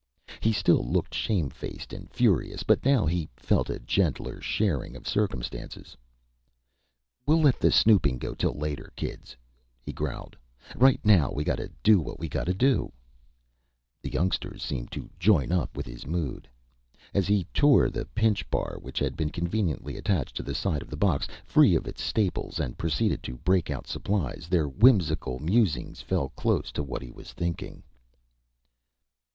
He still looked shamefaced and furious; but now he felt a gentler sharing of circumstances. "We'll let the snooping go till later, kids," he growled. "Right now we gotta do what we gotta do " The youngsters seemed to join up with his mood. As he tore the pinchbar, which had been conveniently attached to the side of the box, free of its staples, and proceeded to break out supplies, their whimsical musings fell close to what he was thinking.